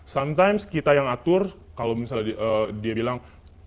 sometime kita yang atur kalau misalnya dia bilang